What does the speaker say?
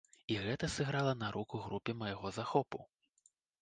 І гэта сыграла на руку групе майго захопу.